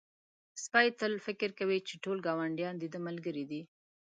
سپی تل فکر کوي چې ټول ګاونډیان د ده ملګري دي.